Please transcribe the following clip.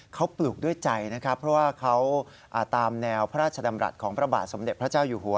เขาปลูกด้วยใจนะครับเพราะว่าเขาตามแนวพระราชดำรัฐของพระบาทสมเด็จพระเจ้าอยู่หัว